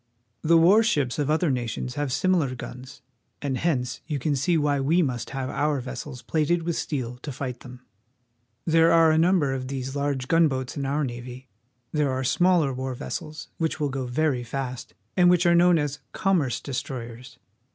The war ships of other nations have similar guns, and hence you see why we must have our vessels plated with steel to fight them. There are a num ber of these large gunboats in our navy. There are ^ Modem Coast defense Rifle. smaller war vessels, which will go very fast, and which are known as commerce destroyers.